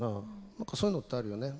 何かそういうのってあるよね。